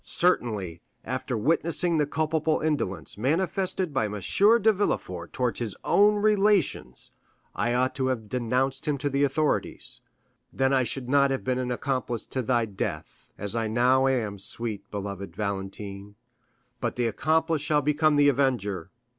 Certainly, after witnessing the culpable indolence manifested by M. de Villefort towards his own relations, I ought to have denounced him to the authorities; then I should not have been an accomplice to thy death, as I now am, sweet, beloved Valentine; but the accomplice shall become the avenger.